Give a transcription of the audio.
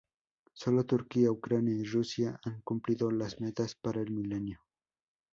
Solo Turquía, Ucrania y Rusia han Cumplido las metas para el Milenio.